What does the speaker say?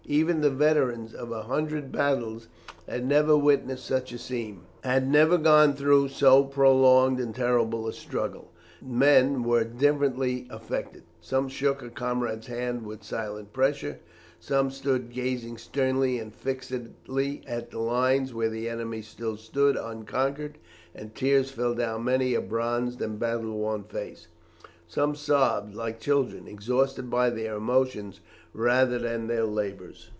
Even the veterans of a hundred battles had never witnessed such a scene, had never gone through so prolonged and terrible a struggle. Men were differently affected, some shook a comrade's hand with silent pressure, some stood gazing sternly and fixedly at the lines where the enemy still stood unconquered, and tears fell down many a bronzed and battle worn face; some sobbed like children, exhausted by their emotions rather than their labours.